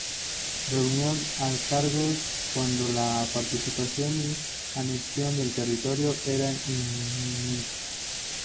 Renunció al cargo cuando la partición y anexión del territorio era inminente.